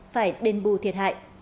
phải đền bù thiệt hạng